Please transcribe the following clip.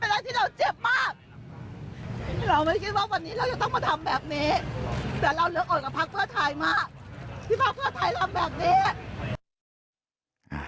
ที่พรรคเพื่อไทยลำแบบนี้